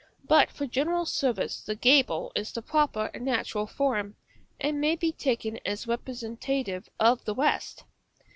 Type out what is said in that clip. But for general service the gable is the proper and natural form, and may be taken as representative of the rest.